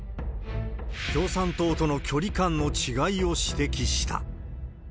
共産党との距離感の違いを指摘した。